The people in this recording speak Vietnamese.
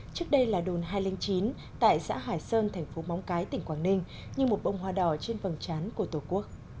trước đây là đồn hai trăm linh chín tại xã hải sơn thành phố móng cái tỉnh quảng ninh như một bông hoa đỏ trên vầng chán của tổ quốc